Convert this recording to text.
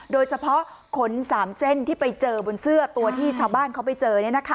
ขน๓เส้นที่ไปเจอบนเสื้อตัวที่ชาวบ้านเขาไปเจอ